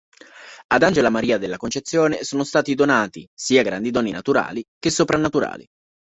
Ad Angela Maria della Concezione sono stati donati, sia grandi doni naturali che soprannaturali.